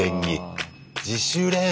自主練！